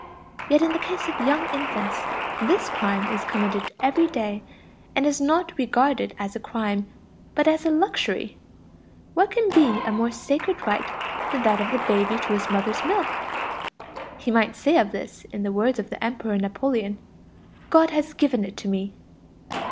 Yet in the case of young infants, this crime is committed every day, and is not regarded as a crime, but as a luxury. What can be a more sacred right than that of the baby to his mother's milk? He might say of this in the words of the Emperor Napoleon: "God has given it to me."